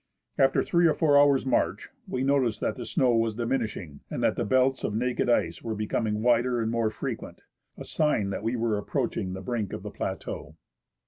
After three or four hours' march, we noticed that the snow was diminishing, and that the belts of naked ice were becoming wider and more frequent, a sign that we were approaching the brink of the plateau.